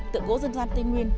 tượng gỗ dân gian tây nguyên